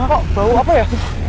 kok bau apa ya